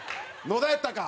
野田やったか。